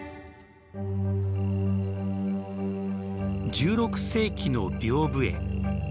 １６世紀の屏風絵。